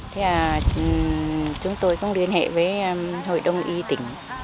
thế à chúng tôi không liên hệ với hội đồng y tỉnh